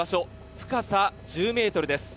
深さ１０ｍです。